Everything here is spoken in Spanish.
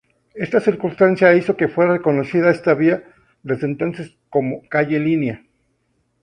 Esta circunstancia hizo que fuera reconocida esta vía, desde entonces, como calle Línea.